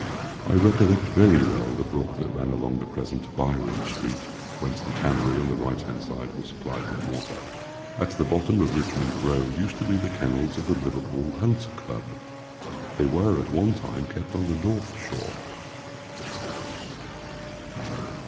I recollect very well the brook that ran along the present Byrom street, whence the tannery on the right hand side was supplied with water. At the bottom of Richmond row used to be the kennels of the Liverpool Hunt Club. They were at one time kept on the North shore.